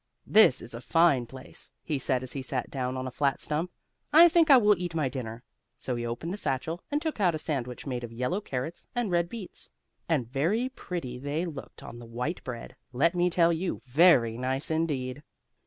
"This is a fine place," he said as he sat down on a flat stump. "I think I will eat my dinner," so he opened the satchel, and took out a sandwich made of yellow carrots and red beets, and very pretty they looked on the white bread, let me tell you; very nice indeed!